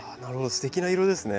すてきな色ですね。